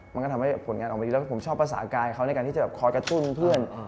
มันก็ทำให้ผลงานออกมาดีแล้วผมชอบภาษากายเขาในการที่จะคอยกระตุ้นเพื่อน